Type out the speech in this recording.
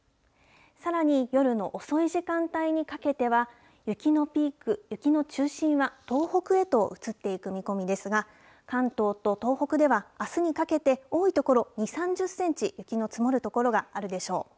さらに夜の遅い時間帯にかけては、雪のピーク、雪の中心は東北へと移っていく見込みですが、関東と東北では、あすにかけて、多い所２、３０センチ、雪の積もる所があるでしょう。